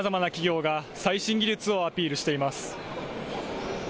さまざまな企業が最新技術をアピールしています。